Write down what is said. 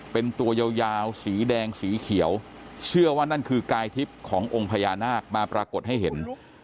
เป็นตัวยาวสีแดงสีเขียวเชื่อว่านั่นคือกายทิพย์ขององค์พญานาคมาปรากฏให้เห็น